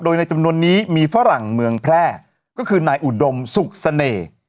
โดยในจำนวนนี้มีฝรั่งเมืองแพร่ก็คือนายอุดมสุขเสน่ห์